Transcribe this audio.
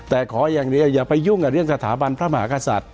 แต่ขออย่างเดียวอย่าไปยุ่งกับเรื่องสถาบันพระมหากษัตริย